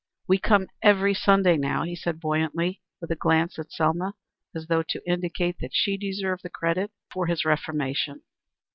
"We come every Sunday now," he said buoyantly, with a glance at Selma as though to indicate that she deserved the credit of his reformation.